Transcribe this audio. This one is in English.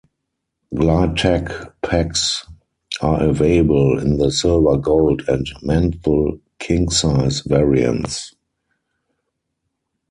Glide Tec packs are available in the silver, gold and menthol king size variants.